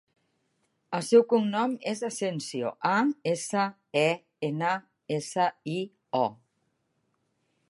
El seu cognom és Asensio: a, essa, e, ena, essa, i, o.